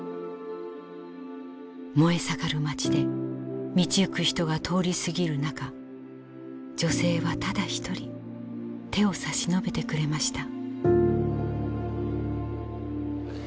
燃え盛る町で道行く人が通り過ぎる中女性はただ一人手を差し伸べてくれました。